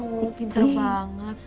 aduh pinter banget